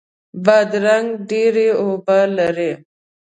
بادرنګ ډیرې اوبه لري.